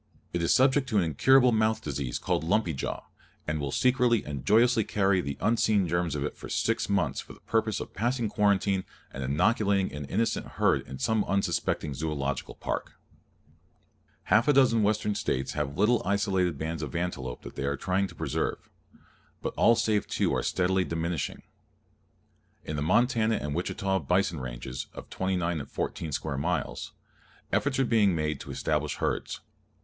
It is subject to an incurable mouth disease called lumpy jaw, and will secretly and joyously carry the unseen germs of it for six months for the purpose of passing quarantine and inoculating an innocent herd in some unsuspecting Zoological Park. [Illustration: PRONG HORNED ANTELOPE From a painting by Carl Rungius] Half a dozen Western States have little isolated bands of antelope that they are trying to preserve; but all save two are steadily diminishing. In the Montana and Wichita Bison Ranges, of 29 and 14 square miles, efforts are being made to establish herds.